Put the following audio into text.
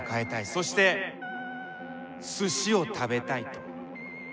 そしてすしを食べたいと。